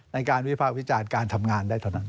วิภาควิจารณ์การทำงานได้เท่านั้น